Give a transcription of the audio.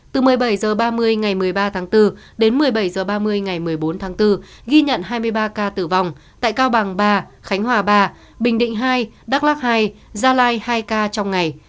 từ một mươi bảy h ba mươi ngày một mươi ba tháng bốn đến một mươi bảy h ba mươi ngày một mươi bốn tháng bốn ghi nhận hai mươi ba ca tử vong tại cao bằng ba khánh hòa ba bình định hai đắk lắc hai gia lai hai ca trong ngày